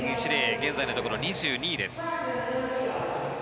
現在のところ２５位です。